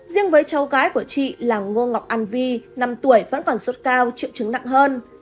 riêng với cháu gái của chị là ngô ngọc an vi năm tuổi vẫn còn sốt cao triệu chứng nặng hơn